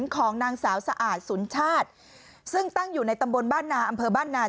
ของนางสาวสะอาดสุนชาติซึ่งตั้งอยู่ในตำบลบ้านนา